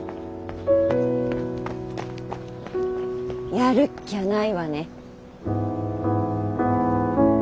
やるっきゃないわね。